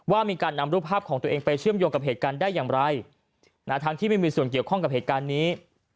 ว่ามีการนำรูปภาพของตัวเองไปเชื่อมโยงกับเหตุการณ์ได้อย่างไรทั้งที่ไม่มีส่วนเกี่ยวข้องกับเหตุการณ์นี้